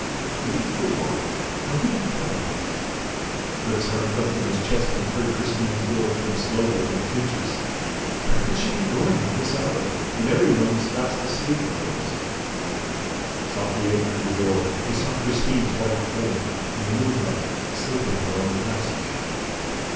Waited for what? How could he tell? But his heart thumped in his chest when he heard Christine's door turn slowly on its hinges. Where could she be going, at this hour, when every one was fast asleep at Perros? Softly opening the door, he saw Christine's white form, in the moonlight, slipping along the passage.